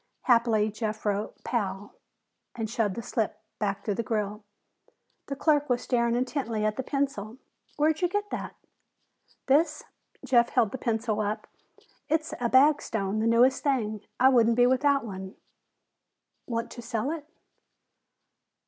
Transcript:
Happily Jeff wrote "Pal" and shoved the slip back through the grill. The clerk was staring intently at the pencil. "Where'd you get that?" "This?" Jeff held the pencil up. "It's a Bagstone, the newest thing. I wouldn't be without one." "Want to sell it?"